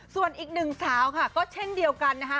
ส่วนอีกหนึ่งสาวค่ะก็เช่นเดียวกันนะคะ